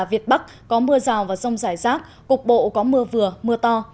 việt bắc có mưa rào và rông rải rác cục bộ có mưa vừa mưa to